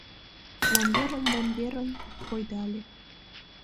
Ломберын-ломберын койдале.